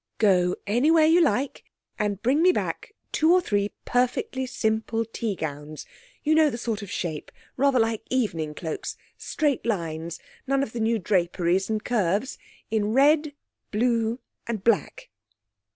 'Go anywhere you like and bring me back two or three perfectly simple tea gowns you know the sort of shape, rather like evening cloaks straight lines none of the new draperies and curves in red, blue and black.'